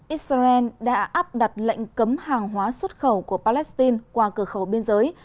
israel đã áp đặt lệnh cấm hàng hóa xuất khẩu của palestine qua cửa khẩu biên giới